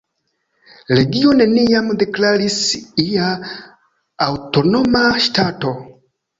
Legio neniam deklaris ia aŭtonoma ŝtato.